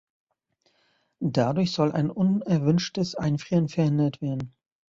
Dadurch soll ein unerwünschtes Einfrieren verhindert werden.